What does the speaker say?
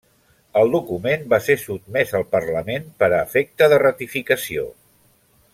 El document va ser sotmès al parlament per a efecte de ratificació.